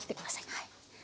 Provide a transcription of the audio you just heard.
はい。